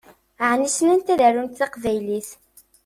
Ɛni ssnent ad arunt taqbaylit?